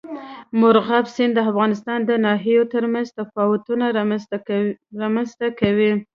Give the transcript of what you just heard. مورغاب سیند د افغانستان د ناحیو ترمنځ تفاوتونه رامنځ ته کوي.